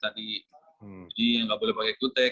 jadi nggak boleh pakai q tec